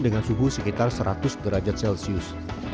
dengan suhu sekitar seratus derajat celcius